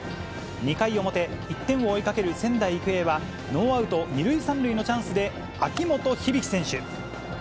２回表、１点を追いかける仙台育英は、ノーアウト２塁３塁のチャンスで秋元響選手。